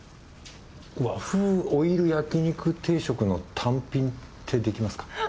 和風オイル焼肉定食の単品ってできますか？